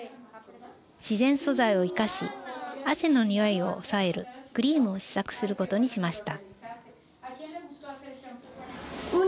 自然素材を生かし汗の臭いを抑えるクリームを試作することにしました。